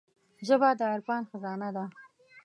ژبه د عرفان خزانه ده